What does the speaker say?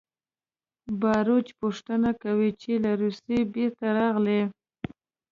باروچ پوښتنه کوي چې له روسیې بېرته راغلې